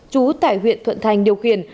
chú tài huyện thuận thành điều khiển